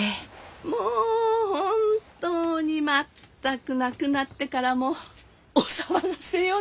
もう本当に全く亡くなってからもお騒がせよね！